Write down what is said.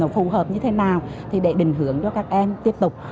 phù hợp như thế nào thì để định hưởng cho các em tiếp tục